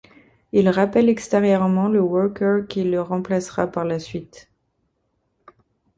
Il rappelle extérieurement le Worker qui le remplacera par la suite.